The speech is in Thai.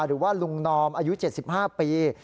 หรือว่าลุงนอมอายุ๗๕ปี